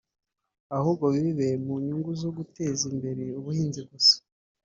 ahubwo bibe mu nyungu zo guteza imbere ubuhinzi gusa